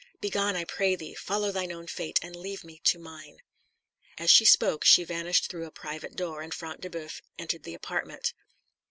Begone, I pray thee; follow thine own fate, and leave me to mine." As she spoke she vanished through a private door, and Front de Boeuf entered the apartment.